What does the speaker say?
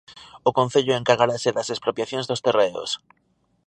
O concello encargarase das expropiacións dos terreos.